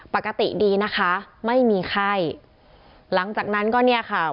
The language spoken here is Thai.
ปกติดีนะคะไม่มีไข้หลังจากนั้นก็เนี่ยค่ะ